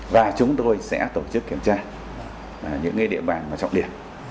và chúng tôi sẽ tổ chức kiểm tra những ngay địa bàn và trọng điểm